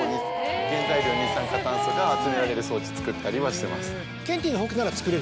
原材料二酸化炭素が集められる装置作ったりはしてます。